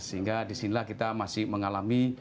sehingga disinilah kita masih mengalami